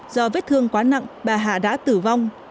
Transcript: do vết thương quá nặng bà hà đã tử vong